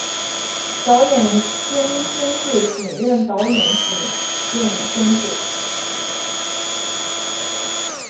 导演兼监制仅任导演仅任监制